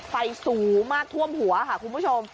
ไฟสูงมากท่วมหัวค่ะคุณผู้ชม